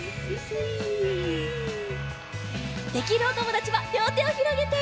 できるおともだちはりょうてをひろげて！